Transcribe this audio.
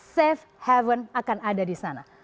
safe haven akan ada di sana